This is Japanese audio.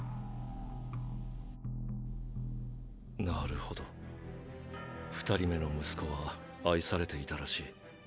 なるほど二人目の息子は愛されていたらしい。